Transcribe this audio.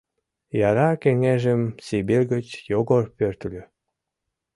Яра кеҥежым Сибирь гыч Йогор пӧртыльӧ.